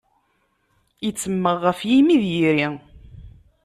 Ittemmeɣ ɣef yimi d yiri.